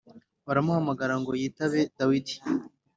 baramuhamagara ngo yitabe Dawidi.